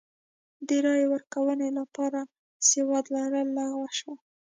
د رایې ورکونې لپاره سواد لرل لغوه شول.